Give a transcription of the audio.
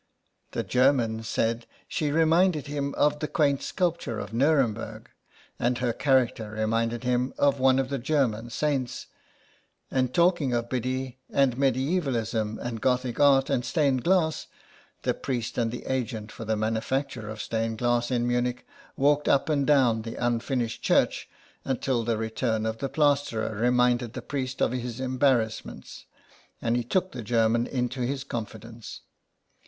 The German said she reminded him of the quaint sculpture of Nuremburg, and her character reminded him of one of the German saints, and talking of Biddy and mediaevalism and Gothic art and stained glass the priest and the agent for the manufacture of stained glass in Munich walked up and down the unfinished church until the return of the plasterer reminded the priest of his embarrass ments, and he took the German into his confidence.